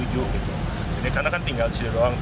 jadi karena kan tinggal di sini doang